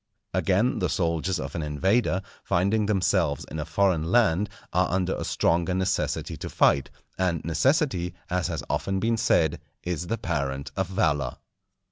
Again, the soldiers of an invader, finding themselves in a foreign land, are under a stronger necessity to fight, and necessity, as has often been said, is the parent of valour.